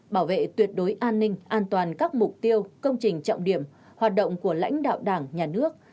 bảo vệ tuyệt đối an ninh an toàn các mục tiêu công trình trọng điểm hoạt động của lãnh đạo đảng nhà nước